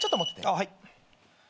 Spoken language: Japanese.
はい。